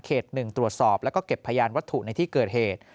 ๑ตรวจสอบแล้วก็เก็บพยานวัตถุในที่เกิดเหตุ